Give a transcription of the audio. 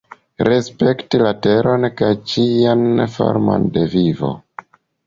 Respekti la Teron kaj ĉian formon de vivo.